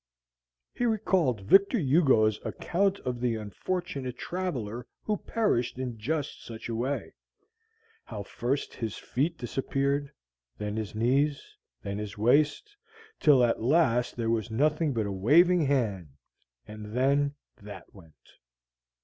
He recalled Victor Hugo's account of the unfortunate traveler who perished in just such a way: how first his feet disappeared, then his knees, then his waist, till at last there was nothing but a waving hand, and then that went.